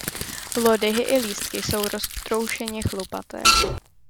Lodyhy i lístky jsou roztroušeně chlupaté.